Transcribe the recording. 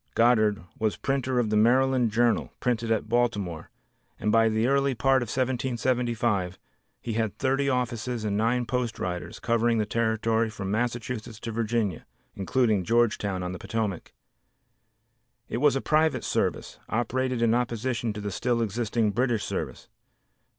Goddard was printer of the Maryland Journal, printed at Baltimore, and by the early part of 1775 he had thirty offices and nine post riders, covering the territory from Massachusetts to Virginia, including Georgetown on the Potomac. It was a private service, operated in opposition to the still existing British service.